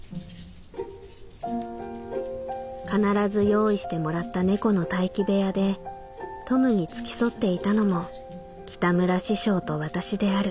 「必ず用意してもらった猫の待機部屋でトムに付き添っていたのも北村師匠と私である」。